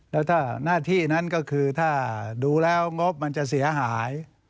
แล้วถ้าหน้าที่นั้นก็คือถ้าดูแล้วงบมันจะเสียหาย